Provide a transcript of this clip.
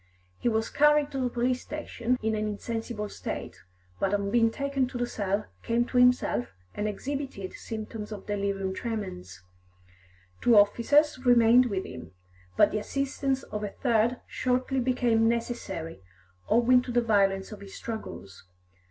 He was carried to the police station in an insensible state, but on being taken to the cell, came to himself, and exhibited symptoms of delirium tremens. Two officers remained with him, but the assistance of a third shortly became necessary, owing to the violence of his struggles.